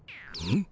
うん？